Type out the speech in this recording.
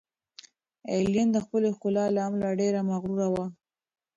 ایلین د خپلې ښکلا له امله ډېره مغروره وه.